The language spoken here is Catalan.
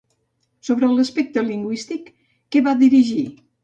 Sobre l'aspecte lingüístic, què va dirigir?